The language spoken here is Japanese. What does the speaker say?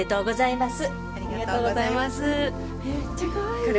めっちゃかわいい！